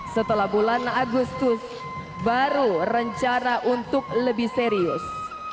setelah bulan agustus baru rencana untuk lebih serius